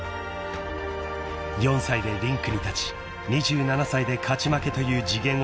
［４歳でリンクに立ち２７歳で勝ち負けという次元を超越］